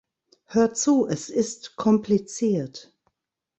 Hör zu, es ist kompliziert.